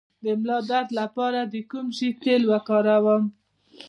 د ملا درد لپاره د کوم شي تېل وکاروم؟